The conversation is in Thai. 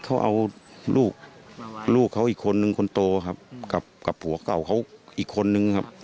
เขาเอาลูกลูกเขาอีกคนนึงคนโตครับกับผัวเก่าเขาอีกคนนึงครับ